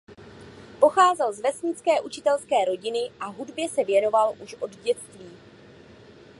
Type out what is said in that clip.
Pocházel z vesnické učitelské rodiny a hudbě se věnoval už od dětství.